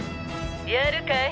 やるかい？